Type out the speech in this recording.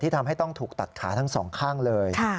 ทำให้ต้องถูกตัดขาทั้งสองข้างเลย